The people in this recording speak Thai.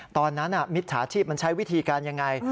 ตอนนั้นน่ะมิตรสาชีพมันใช้วิธีการยังไง